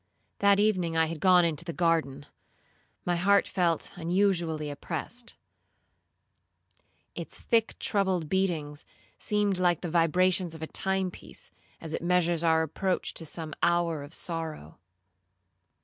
'That evening I had gone into the garden; my heart felt unusually oppressed. Its thick troubled beatings, seemed like the vibrations of a time piece, as it measures our approach to some hour of sorrow.